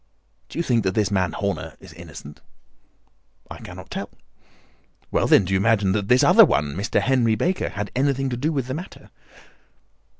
"Do you think that this man Horner is innocent?" "I cannot tell." "Well, then, do you imagine that this other one, Henry Baker, had anything to do with the matter?"